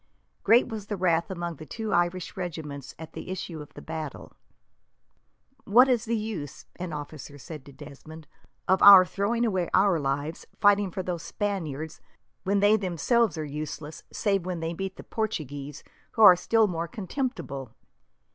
Great was the wrath among the two Irish regiments at the issue of the battle. "What is the use," an officer said to Desmond, "of our throwing away our lives, fighting for these Spaniards, when they themselves are useless, save when they meet the Portuguese, who are still more contemptible?